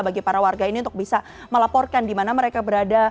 bagi para warga ini untuk bisa melaporkan di mana mereka berada